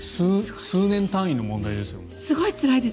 数年単位の問題ですから。